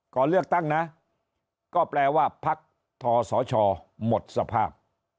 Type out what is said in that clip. ก่อนเลือกตั้งนะก็แปลว่าพักทศชหมดสภาพ